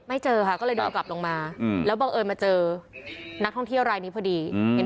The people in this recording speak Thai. เจอค่ะก็เลยเดินกลับลงมาแล้วบังเอิญมาเจอนักท่องเที่ยวรายนี้พอดีเห็น